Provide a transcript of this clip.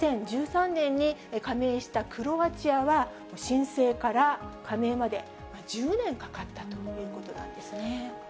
２０１３年に加盟したクロアチアは、申請から加盟まで１０年かかったということなんですね。